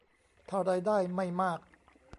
ถ้ารายได้ไม่มาก